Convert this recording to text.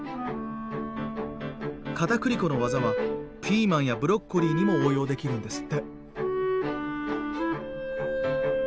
片栗粉の技はピーマンやブロッコリーにも応用できるんですって。